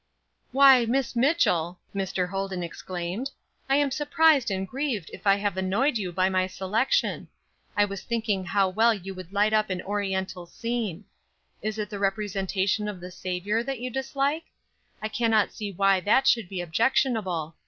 "Why, Miss Mitchell!" Mr. Holden exclaimed, "I am surprised and grieved if I have annoyed you by my selection. I was thinking how well you would light up an Oriental scene. Is it the representation of the Saviour that you dislike? I cannot see why that should be objectionable.